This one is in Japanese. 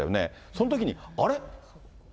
そのときに、あれ？